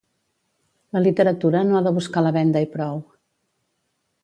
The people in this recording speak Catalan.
La literatura no ha de buscar la venda i prou.